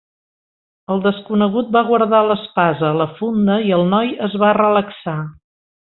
El desconegut va guardar l'espasa a la funda i el noi es va relaxar.